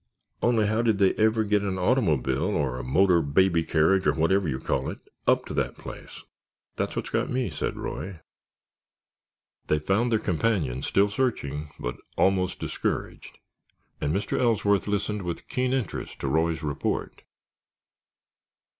"Only how did they ever get an automobile, or a motor baby carriage or whatever you call it, up to that place?" "That's what's got me," said Roy. They found their companions still searching, but almost discouraged, and Mr. Ellsworth listened with keen interest to Roy's report.